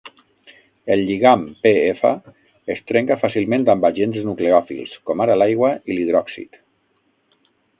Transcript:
El lligam P-F es trenca fàcilment amb agents nucleòfils, com ara l'aigua i l'hidròxid.